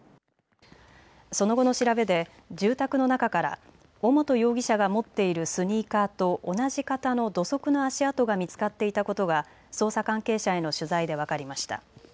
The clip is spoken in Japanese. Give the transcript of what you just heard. その後の調べで住宅の中から尾本容疑者が持っているスニーカーと同じ型の土足の足跡が見つかっていたことが捜査関係者への取材で分かりました。